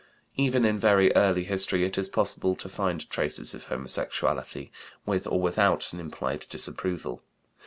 Even in very early history it is possible to find traces of homosexuality, with or without an implied disapproval.